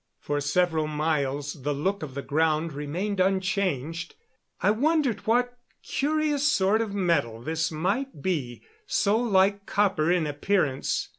For several miles the look of the ground remained unchanged. I wondered what curious sort of metal this might be so like copper in appearance.